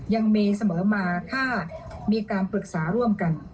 ยังมีเสมอมาถ้ามีการปรึกษาร่วมกัน